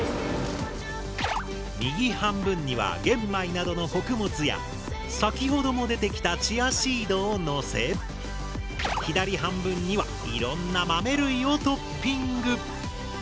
右半分には玄米などの穀物や先ほども出てきたチアシードをのせ左半分にはいろんな豆類をトッピング。